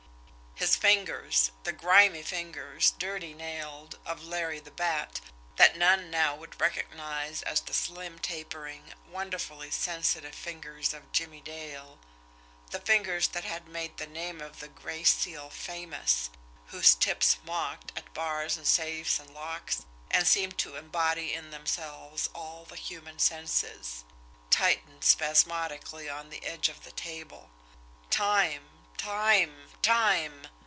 His fingers, the grimy fingers, dirty nailed, of Larry the Bat, that none now would recognise as the slim tapering, wonderfully sensitive fingers of Jimmie Dale, the fingers that had made the name of the Gray Seal famous, whose tips mocked at bars and safes and locks, and seemed to embody in themselves all the human senses, tightened spasmodically on the edge of the table. Time! Time! Time!